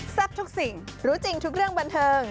ทุกสิ่งรู้จริงทุกเรื่องบันเทิง